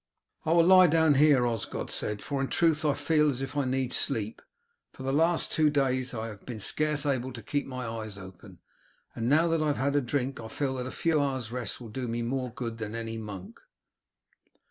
"I will lie down here," Osgod said, "for in truth I feel as if I need sleep. For the last two days I have been scarce able to keep my eyes open, and now that I have had a drink I feel that a few hours' rest will do me more good than any monk."